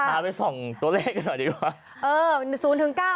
พาไปส่องตัวเลขกันหน่อยดีกว่า